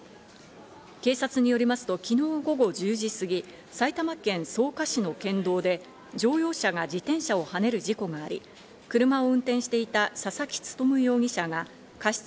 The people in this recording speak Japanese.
警察によりますと昨日午後１０時過ぎ、埼玉県草加市の県道で、乗用車が自転車をはねる事故があり、車を運転していた佐々木努容疑者が過失